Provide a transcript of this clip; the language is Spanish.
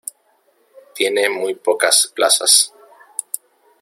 Tiene muy pocas plazas.